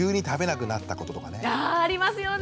あありますよね！